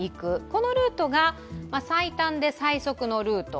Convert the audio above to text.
このルートが、最短で最速のルート。